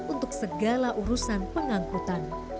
untuk segala urusan pengangkutan